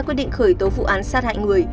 quyết định khởi tố vụ án sát hại người